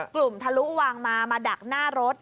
กลุ่มทะลุวังมามาดักหน้ารถ